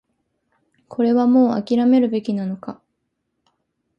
これはもう諦めるべきなのか